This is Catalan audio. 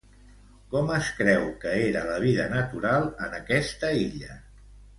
Com es creu que era la vida natural en aquesta illa?